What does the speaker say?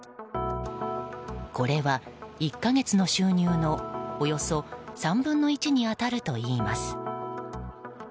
これは１か月の収入のおよそ３分の１に当たるといいます。